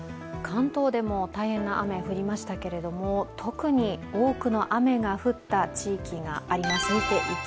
関東でも大変な雨が降りましたけれども、特に多くの雨が降った地域があります。